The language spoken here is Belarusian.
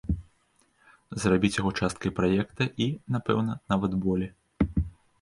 Зрабіць яго часткай праекта, і, напэўна, нават болей.